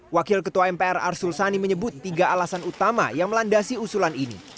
wakil ketua mpr arsul sani menyebut tiga alasan utama yang melandasi usulan ini